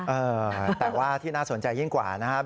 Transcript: เออแต่ว่าที่น่าสนใจยิ่งกว่านะครับ